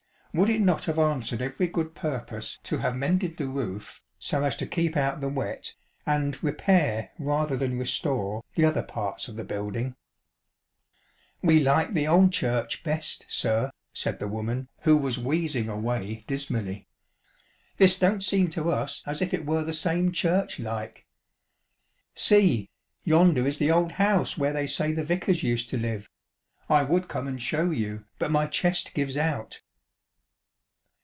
Would it not have answered every good purpose to have mended the roof, so as to keep out the wet, and "repair" rather than " restore " the other parts of the building ? CH. VI. Alfriston and Wilmington, 'jj " We liked the old church best, sir," said the woman, who was wheezing away dismally. " This don't seem to us as if it were the same church like. See, yonder is the old house where they say the vicars used to live ŌĆö I would come and show you, but my chest gives out."